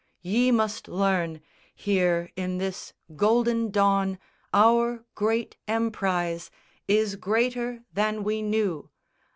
Ye must learn Here in this golden dawn our great emprise Is greater than we knew.